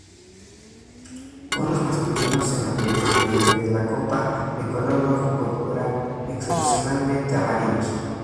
Conos masculinos en la periferia de la copa, de color rojo púrpura, excepcionalmente amarillos.